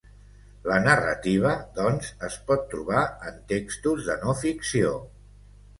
La narrativa, doncs, es pot trobar en textos de no ficció.